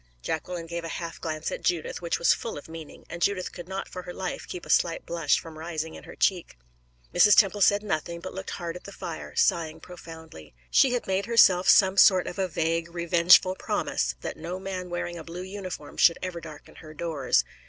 Jacqueline gave a half glance at Judith which was full of meaning, and Judith could not for her life keep a slight blush from rising in her cheek. Mrs. Temple said nothing, but looked hard at the fire, sighing profoundly. She had made herself some sort of a vague revengeful promise, that no man wearing a blue uniform should ever darken her doors.